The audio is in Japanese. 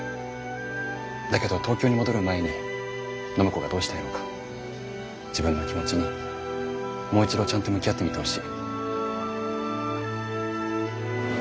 だけど東京に戻る前に暢子がどうしたいのか自分の気持ちにもう一度ちゃんと向き合ってみてほしい。